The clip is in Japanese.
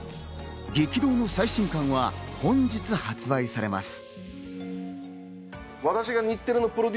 激動の最新刊は本日発売されます。